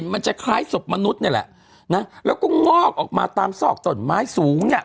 มันจะคล้ายศพมนุษย์นี่แหละนะแล้วก็งอกออกมาตามซอกจ่อนไม้สูงเนี่ย